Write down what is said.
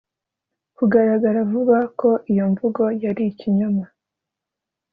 kugaragara vuba ko iyo mvugo yari ikinyoma